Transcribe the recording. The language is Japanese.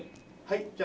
はい。